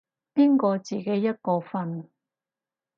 邊個自己一個瞓